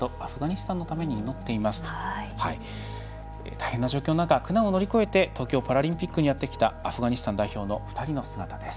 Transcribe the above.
大変な状況の中苦難を乗り越えて東京パラリンピックにやってきたアフガニスタン代表の２人の姿です。